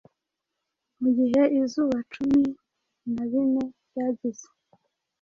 Mugihe izuba cumi na bine ryagize